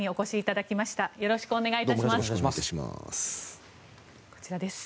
よろしくお願いします。